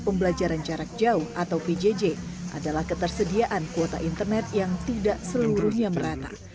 pembelajaran jarak jauh atau pjj adalah ketersediaan kuota internet yang tidak seluruhnya merata